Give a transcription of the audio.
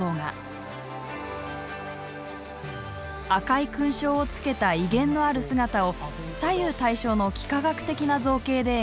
赤い勲章をつけた威厳のある姿を左右対称の幾何学的な造形で描いています。